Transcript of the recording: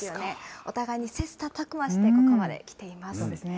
お互いに切さたく磨してここまで来ています。